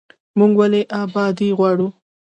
موږ ولې ابادي غواړو؟